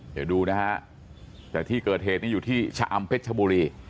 เดี๋ยวดูนะฮะแต่ที่เกิดเหตุนี้อยู่ที่ชะอำเพชรชบุรี